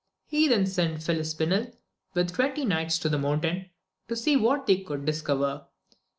He then sent Filispinel with twenty knights to the mountain, to see what they could dis cover.